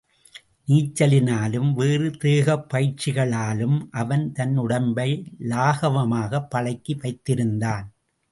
நீச்சலினாலும் வேறு தேகப்பயிற்சிகளாலும் அவன் தன் உடம்பை லாகவமாகப் பழக்கி வைத்திருந்தான்.